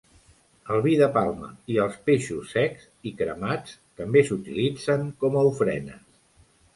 El vi de palma i els peixos secs i cremats també s'utilitzen com a ofrenes.